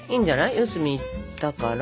四隅いったから。